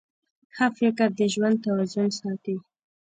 ښه فکر د ژوند توازن ساتي.